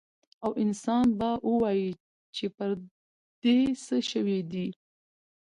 او انسان به ووايي چې پر دې څه شوي دي؟